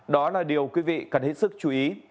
đó là điều quý vị cần hết sức chú ý